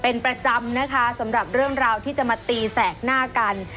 เป็นประจำนะคะสำหรับเรื่องราวที่จะมาตีแสกหน้ากัน